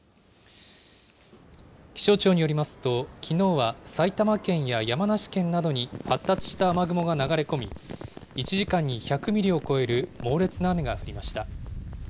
気象庁によりますと、きのうは埼玉県や山梨県などに発達した雨雲が流れ込み、１時間に１００ミリを超える猛烈な雨が降りました。